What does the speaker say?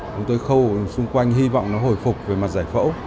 chúng tôi khâu xung quanh hy vọng nó hồi phục về mặt giải phẫu